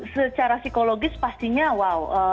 secara psikologis pastinya wow